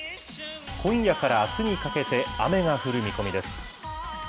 今夜からあすにかけて、雨が降る見込みです。